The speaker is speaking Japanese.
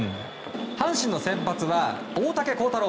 阪神の先発は大竹耕太郎。